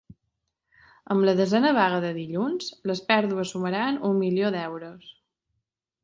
Amb la desena vaga de dilluns, les pèrdues sumaran un milió d’euros.